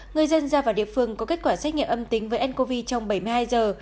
người dân ra vào địa phương có kết quả xét nghiệm âm tính với ncov trong bảy mươi hai giờ